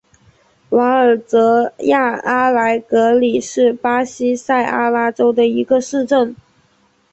瓦尔泽亚阿莱格里是巴西塞阿拉州的一个市镇。